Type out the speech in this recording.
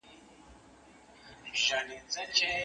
نه د پردي نسیم له پرخو سره وغوړېدم